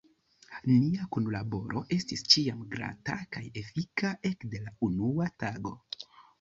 Nia kunlaboro estis ĉiam glata kaj efika, ekde la unua tago.